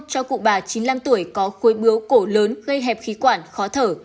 cho cụ bà chín mươi năm tuổi có khối bướu cổ lớn gây hẹp khí quản khó thở